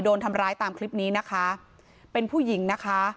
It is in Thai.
โดนทำร้ายตามคลิปนี้นะคะเป็นผู้หญิงนะคะ